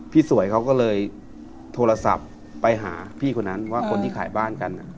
สวยเขาก็เลยโทรศัพท์ไปหาพี่คนนั้นว่าคนที่ขายบ้านกัน